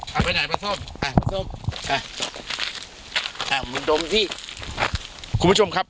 เอาไปไหนปลาส้มอ่ะปลาส้มอ่ะอ่ามึงดมสิคุณผู้ชมครับ